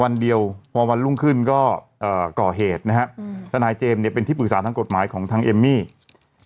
วันเดียวพอวันรุ่งขึ้นก็ก่อเหตุนะฮะทนายเจมส์เนี่ยเป็นที่ปรึกษาทางกฎหมายของทางเอมมี่